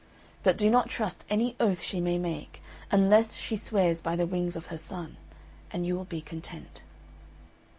But do not trust any oath she may make, unless she swears by the wings of her son, and you will be content."